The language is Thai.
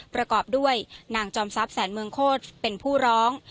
ประกอบด้วยนางจอมทรัพย์แสนเมืองโคตรเป็นผู้ร้อง